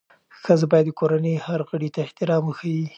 ښځه باید د کورنۍ هر غړي ته احترام وښيي.